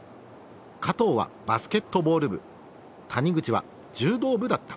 加藤はバスケットボール部谷口は柔道部だった。